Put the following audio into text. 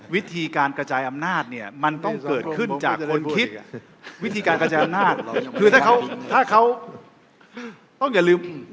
วิธีการกระจายอำนาจคือถ้าเขาต้องอย่าลืม